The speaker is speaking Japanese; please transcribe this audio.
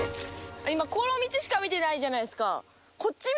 今この道しか見てないじゃないですか。